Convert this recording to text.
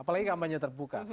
apalagi kampanye terbuka